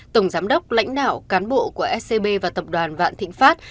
tổng giám đốc lãnh đạo cán bộ của scb và tập đoàn vạn thịnh pháp